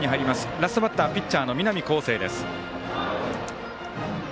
ラストバッターピッチャーの南恒誠です。